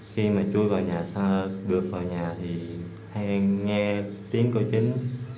khi mà chui vào nhà xa bước vào nhà thì hay nghe tiếng cơ chính